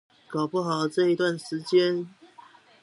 搞不好這一段期間